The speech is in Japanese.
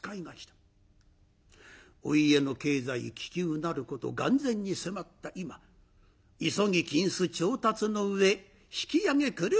お家の経済危急なること眼前に迫った今急ぎ金子調達の上引き揚げくれるように。